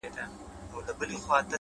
د دوى دا هيله ده چي’